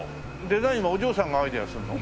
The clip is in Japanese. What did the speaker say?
デザインはお嬢さんがアイデアするの？